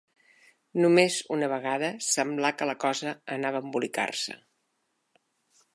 Només una vegada semblà que la cosa anava a embolicar-se